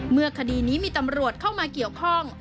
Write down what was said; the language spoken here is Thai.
คดีนี้มีตำรวจเข้ามาเกี่ยวข้อง